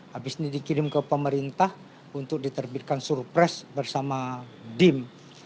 habis ini dikirim ke pemerintah untuk diterbitkan surpres bersama dim